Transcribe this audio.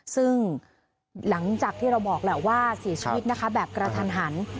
ซึ่งหลังจากที่เราบอกแหละว่าเสียชีวิตนะคะแบบกระทันหัน